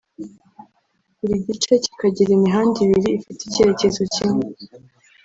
buri gice kikagira imihanda ibiri ifite icyerekezo kimwe